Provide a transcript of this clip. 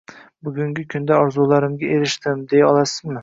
bugungi kunda orzularimga erishdim, deya olasizmi?